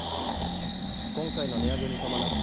今回の値上げに伴って